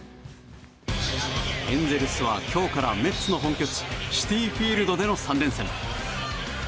エンゼルスは今日からメッツの本拠地シティ・フィールドでの３連戦。